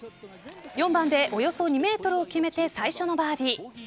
４番でおよそ２ｍを決めて最初のバーディー。